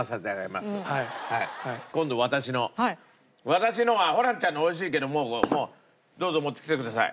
私のはホランちゃんのおいしいけどもうどうぞ持ってきてください。